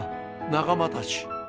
仲間たち！